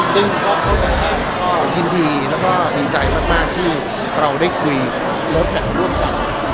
ซึ่งก็เข้าใจได้ยินดีแล้วก็ดีใจมากที่เราได้คุยรถแมพร่วมกัน